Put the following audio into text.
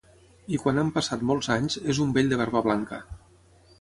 I quan han passat molts anys, és un vell de barba blanca.